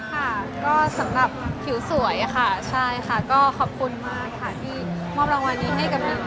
ขอบคุณค่ะสำหรับผิวสวยขอบคุณมากที่มอบรางวัลนี้ให้กับมีค่ะ